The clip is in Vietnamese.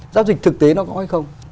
giao dịch thực tế nó có hay không